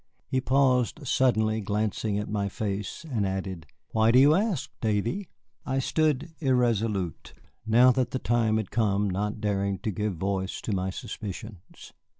He paused suddenly glancing at my face, and added, "Why do you ask, Davy?" I stood irresolute, now that the time had come not daring to give voice to my suspicions.